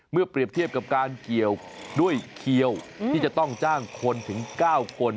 เปรียบเทียบกับการเกี่ยวด้วยเคียวที่จะต้องจ้างคนถึง๙คน